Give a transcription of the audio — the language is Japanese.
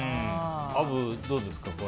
アブ、どうですか。